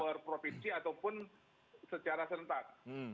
per provinsi ataupun secara sentak